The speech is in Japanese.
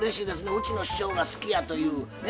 うちの師匠が好きやというね。